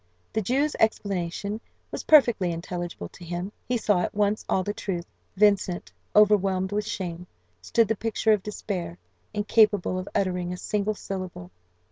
The Jew's explanation was perfectly intelligible to him; he saw at once all the truth. Vincent, overwhelmed with shame, stood the picture of despair, incapable of uttering a single syllable.